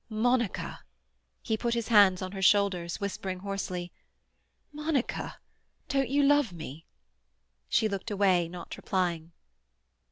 "Monica!" He put his hands on her shoulders, whispering hoarsely, "Monica! don't you love me?" She looked away, not replying.